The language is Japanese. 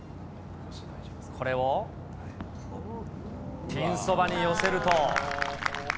これをピンそばに寄せると。